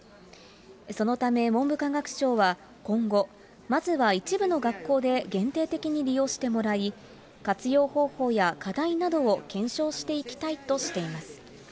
そのため文部科学省は今後、まずは一部の学校で限定的に利用してもらい、活用方法や課題などを検証していきたいとしています。